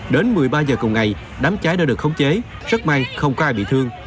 đến một mươi ba h cùng ngày đám cháy đã được khống chế rất may không có ai bị thương